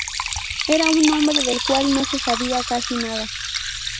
Era un hombre del cual no se sabía casi nada.